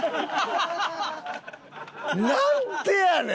なんでやねん！